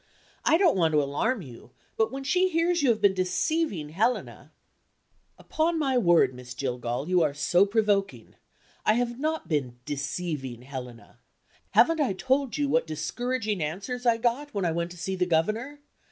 I don't want to alarm you, but when she hears you have been deceiving Helena " "Upon my word, Miss Jillgall, you are so provoking! I have not been deceiving Helena. Haven't I told you what discouraging answers I got, when I went to see the Governor?